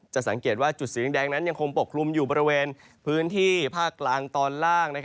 สังเกตว่าจุดสีแดงนั้นยังคงปกคลุมอยู่บริเวณพื้นที่ภาคกลางตอนล่าง